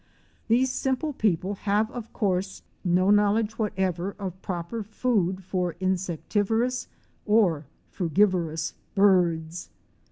These simple people have, of course, no knowledge what ever of proper food for insectivorous or frugivorous birds.